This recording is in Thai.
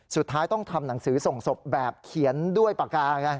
สุดท้ายต้องทำหนังสือส่งศพแบบเขียนด้วยปากกาไง